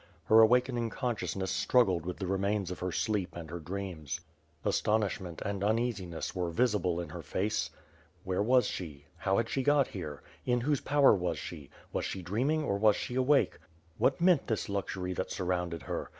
Her awakening consciousness struggled with the remains of her sleep and her dreams. Astonishment and uneasiness were visible in her face. "Where was she? How had she got here? In whose power was she? Was she dream ing or was she awake? What meant this luxury that sur rounded her?